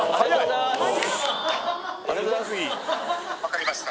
☎分かりました